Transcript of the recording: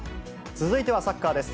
続いてはサッカーです。